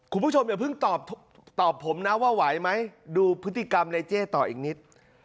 คุณผู้ชมอย่าเพิ่งตอบผมนะว่าไหวไหมดูพฤติกรรมในเจ้ต่ออีกนิด